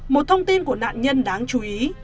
một thông tin của nạn nhân đáng chú ý